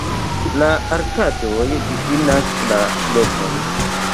La arkadoj difinas la lokon.